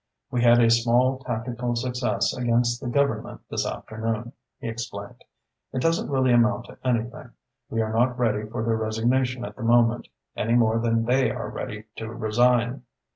"We had a small tactical success against the Government this afternoon," he explained. "It doesn't really amount to anything. We are not ready for their resignation at the moment, any more than they are ready to resign."